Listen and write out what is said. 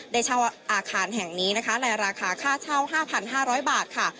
ได้เช่าอาคารแห่งนี้นะคะและราคาค่าเช่าห้าพันห้าร้อยบาทค่ะ